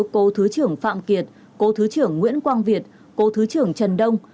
cô thứ trưởng phạm kiệt cố thứ trưởng nguyễn quang việt cô thứ trưởng trần đông